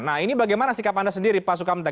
nah ini bagaimana sikap anda sendiri pak sukamta